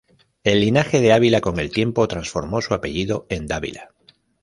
El linaje de Ávila con el tiempo transformó su apellido en Dávila.